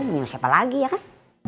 bingung siapa lagi ya kan